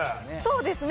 そうですね。